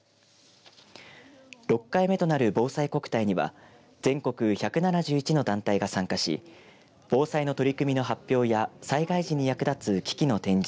６回目となるぼうさいこくたいには全国１７１の団体が参加し防災の取り組みの発表や災害時に役立つ機器の展示